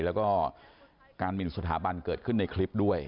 แล้วก็การหมินสถาบันเกิดขึ้นในคลิปด้วย